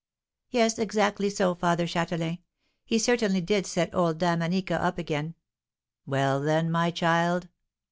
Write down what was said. "Yes, exactly so, Father Châtelain; he certainly did set old Dame Anica up again." "Well, then, my child?"